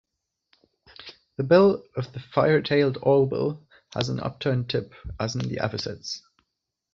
The bill of the fiery-tailed awlbill has an upturned tip, as in the avocets.